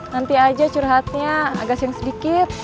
nanti aja curhatnya agak siang sedikit